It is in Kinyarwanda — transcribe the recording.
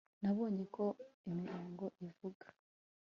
nabonye ko imirongo ivuga